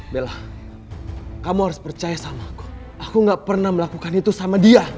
bella kamu harus percaya sama aku aku nggak pernah melakukan itu sama dia